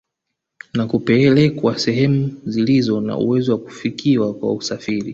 Na kupelekwa sehemu zilizo na uwezo wa kufikiwa kwa usafiri